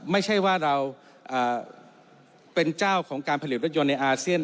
ไม่ใช่ว่าเราเป็นเจ้าของการผลิตรถยนต์ในอาเซียน